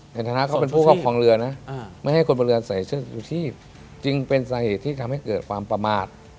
ในฐานะเขาเป็นผู้ครอบครองเรือนะไม่ให้คนบนเรือใส่เสื้อชูชีพจึงเป็นสาเหตุที่ทำให้เกิดความประมาท